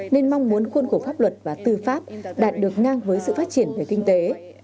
nên mong muốn khuôn khổ pháp luật và tư pháp đạt được ngang với sự phát triển về kinh tế